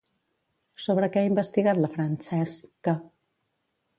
Sobre què ha investigat la Francesca?